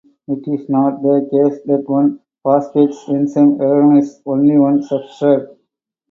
It is not the case that one phosphatase enzyme recognizes only one substrate.